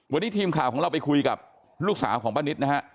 วันนี้ทีมข่าวของเราไปคุยกับลูกสาวของป้านิตนะฮะ